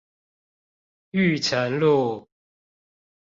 裕誠路